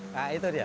nah itu dia